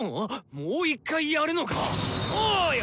もう一回やるのか⁉おうよ！